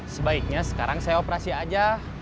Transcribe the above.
sebaiknya sekarang saya operasi aja